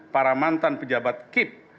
para mantan pejabat kip